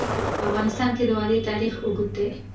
په افغانستان کې د وادي تاریخ اوږد دی.